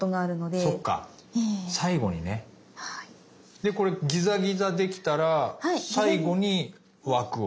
でこれギザギザできたら最後に枠を。